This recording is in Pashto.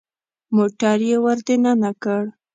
موټر يې ور دننه کړ.